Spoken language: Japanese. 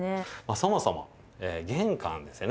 そもそも玄関ですよね